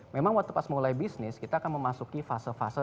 memang waktu pas mulai bisnis kita akan memasuki fase fase